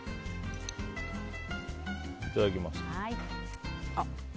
いただきます。